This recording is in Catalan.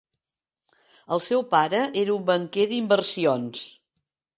El seu pare era un banquer d'inversions.